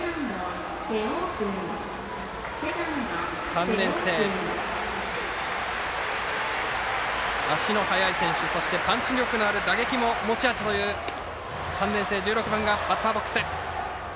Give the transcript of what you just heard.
３年生足の速い選手そしてパンチ力のある打撃も持ち味という３年生背番号１６番がバッターボックス。